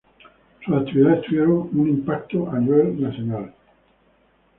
Sus actividades tuvieron un impacto a nivel nacional.